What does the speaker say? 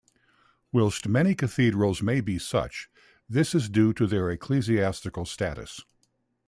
Whilst many cathedrals may be such, this is due to their ecclesiastical status.